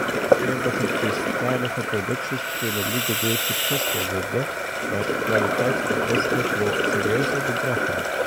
Heechweardige Frysktalige produksjes kinne likegoed suksesfol wurde, mar kwaliteit fereasket wol serieuze bedraggen.